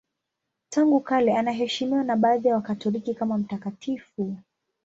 Tangu kale anaheshimiwa na baadhi ya Wakatoliki kama mtakatifu.